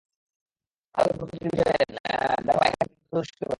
আদালতে প্রকল্প দুটির বিষয়ে দায়ের হওয়া একাধিক রিট আবেদন দ্রুত নিষ্পত্তি করা।